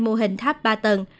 mô hình tháp ba tầng